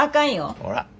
ほら。